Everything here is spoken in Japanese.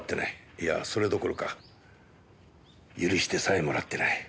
いやそれどころか許してさえもらってない。